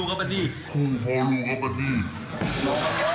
ก็ทำไมเสียงวันไหว